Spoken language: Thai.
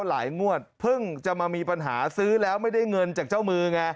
หลายงวดเพิ่งจะมามีปัญหาซื้อแล้วไม่ได้เงินจากเจ้ามือไง